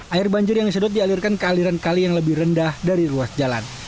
air banjir yang disedot dialirkan ke aliran kali yang lebih rendah dari ruas jalan